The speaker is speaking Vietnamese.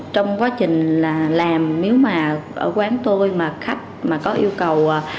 trong quá trình là làm nếu mà ở quán tôi mà khách mà có yêu cầu